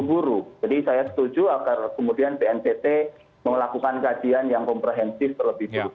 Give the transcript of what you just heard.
terburu buru jadi saya setuju agar kemudian bntt melakukan kajian yang komprehensif terlebih dulu